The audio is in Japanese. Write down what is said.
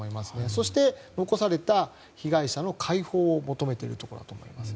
そして、残された被害者の解放を求めているところだと思います。